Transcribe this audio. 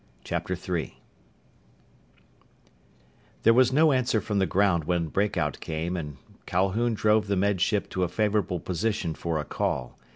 3 There was no answer from the ground when breakout came and Calhoun drove the Med Ship to a favourable position for a call.